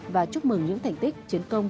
và chúc mừng những thành tích chiến công